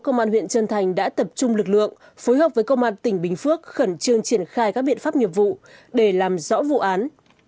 công an huyện trân thành đã tập trung lực lượng phối hợp với công an tỉnh bình phước khẩn trương triển khai các biện pháp nghiệp vụ để làm rõ vụ án